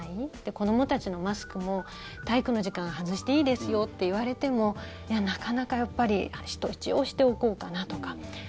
子どもたちのマスクも体育の時間外していいですよっていわれてもなかなか、やっぱり一応しておこうかなとか。